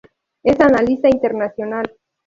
Es analista internacional.